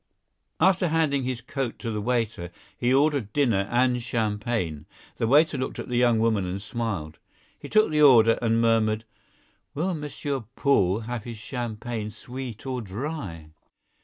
After handing his coat to the waiter, he ordered dinner and champagne. The waiter looked at the young woman and smiled. He took the order and murmured: "Will Monsieur Paul have his champagne sweet or dry?"